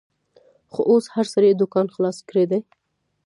خو اوس هر سړي دوکان خلاص کړیدی